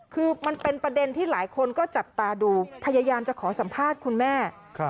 คือมันเป็นประเด็นที่หลายคนก็จับตาดูพยายามจะขอสัมภาษณ์คุณแม่